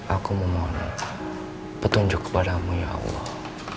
aku mau mohon petunjuk kepadamu ya allah